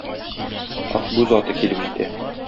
Акбүз аты килеп җитә.